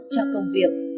cho công việc